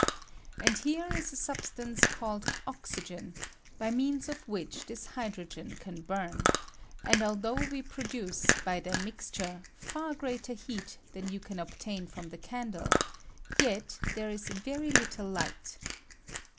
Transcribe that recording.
And here is a substance called oxygen, by means of which this hydro gen can bum ; and although we produce, by their mixture, far greater heat(*) than you can obtain from the candle, yet there is very httle light.